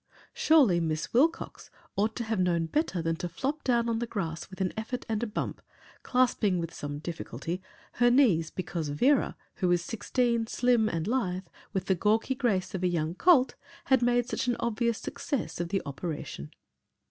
Surely Miss Wilcox ought to have known better than to flop down on the grass with an effort and a bump, clasping (with some difficulty) her knees because Vera, who is sixteen, slim and lithe, with the gawky grace of a young colt, had made such an obvious success of the operation!